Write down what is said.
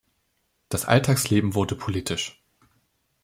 Das Alltagsleben wurde politisch.